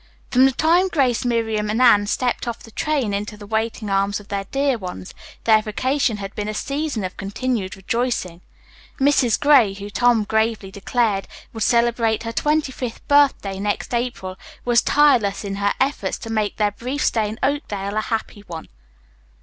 From the time Grace, Miriam and Anne stepped off the train into the waiting arms of their dear ones, their vacation had been a season of continued rejoicing. Mrs. Gray, who, Tom gravely declared, would celebrate her twenty fifth birthday next April, was tireless in her efforts to make their brief stay in Oakdale a happy one.